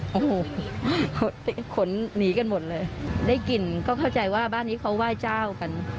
โอ้โหเขาขนหนีกันหมดเลยได้กลิ่นก็เข้าใจว่าบ้านนี้เขาไหว้เจ้ากัน